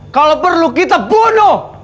kalau perlu kita bunuh